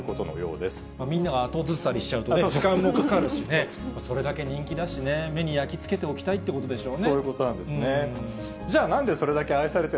みんなが後ずさりしちゃうと、時間もかかるしね、それだけ人気だしね、目に焼き付けておきたいということでしょうね。